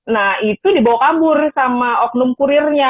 nah itu dibawa kabur sama oknum kurirnya